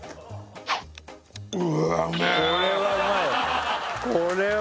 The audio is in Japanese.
これはうまい！